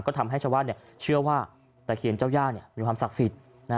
ก็ทำให้ชาวบ้านเชื่อว่าตะเคียนเจ้าย่ามีความศักดิ์สิทธิ์